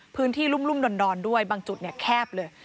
พื้นที่รุ่มรุ่มดอนด้วยบางจุดแคบเลย